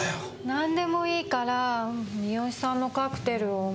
何でもいいから三好さんのカクテルをお願い。